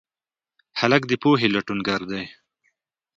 هلک د پوهې لټونګر دی.